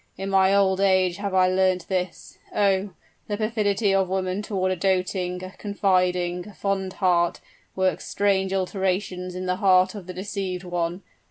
In my old age have I learnt this! Oh! the perfidy of women toward a doting a confiding a fond heart, works strange alterations in the heart of the deceived one!